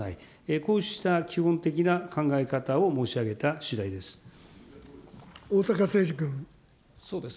こうした基本的な考え方を申し上げたしだいです。